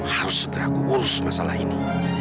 harus segera aku urus masalah ini